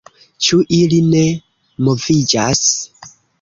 Ĉu ili ne moviĝas?